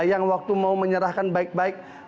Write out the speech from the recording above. yang waktu mau menyerahkan baik baik